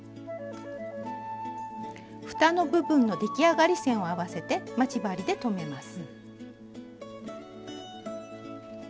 ふたの部分の出来上がり線を合わせて待ち針で留めます。